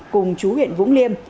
cùng chú huyện vũng liêm